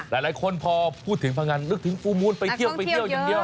หลายคนพอพูดถึงภังอันนึกถึงฟูลมูนไปเที่ยวอย่างเดียว